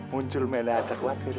muncul meneh aja kuatir